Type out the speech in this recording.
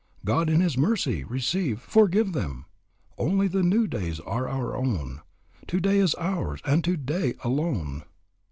God in His mercy receive, forgive them! Only the new days are our own. Today is ours, and today alone.